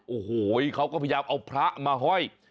โอ้โหเขาก็พยายามเอาพระมาห้อย